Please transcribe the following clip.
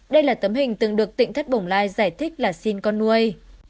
đây là tấm hình từng được tỉnh thất bồng lai giải thích là xin con nuôi